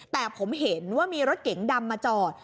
แต่ผมเห็นว่ามีรถเก๋งดำมาจอด